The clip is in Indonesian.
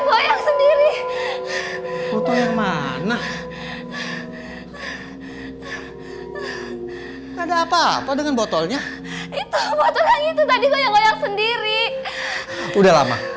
masak gak ya